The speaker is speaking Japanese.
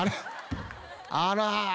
あら。